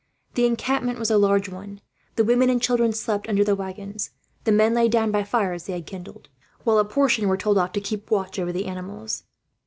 The encampment was a large one. The women and children slept under the waggons. The men lay down by fires they had kindled, while a portion were told off to keep watch over the animals.